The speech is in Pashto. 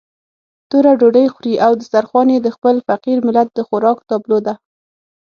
توره ډوډۍ خوري او دسترخوان يې د خپل فقير ملت د خوراک تابلو ده.